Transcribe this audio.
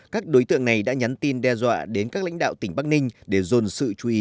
các đối tượng này đã nhắn tin đe dọa đến các lãnh đạo tỉnh bắc ninh để dồn sự chú ý